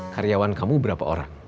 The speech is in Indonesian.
karyawan kamu berapa orang